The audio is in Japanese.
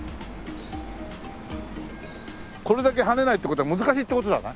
これだけ跳ねないって事は難しいって事だな。